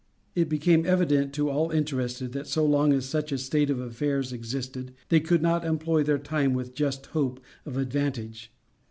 It became evident to all interested that so long as such a state of affairs existed they could not employ their time with just hope of advantage.